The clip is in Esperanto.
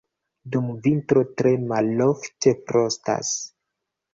Dum vintro tre malofte frostas.